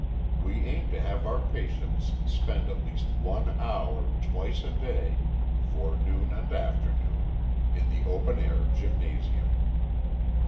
"We aim to have our patients spend at least one hour, twice a day (forenoon and afternoon), in the open air gymnasium.